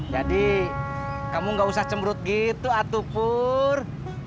jadi kamu gak usah cemberut gitu atupur